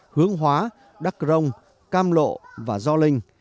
hướng hóa đắc rông cam lộ và gio linh